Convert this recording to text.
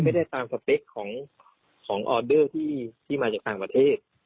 ตามสเปคของออเดอร์ที่มาจากต่างประเทศ